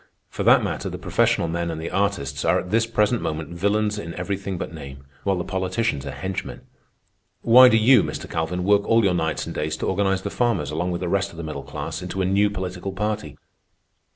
For that matter, the professional men and the artists are at this present moment villeins in everything but name, while the politicians are henchmen. Why do you, Mr. Calvin, work all your nights and days to organize the farmers, along with the rest of the middle class, into a new political party?